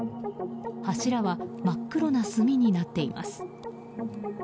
柱は真っ黒な炭になっています。